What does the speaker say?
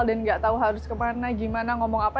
dan gak tau harus kemana gimana ngomong apa